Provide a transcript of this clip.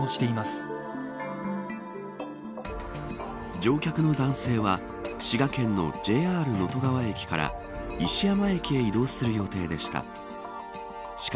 乗客の男性は滋賀県のＪＲ能登川駅から石山駅へ移動する予定でした。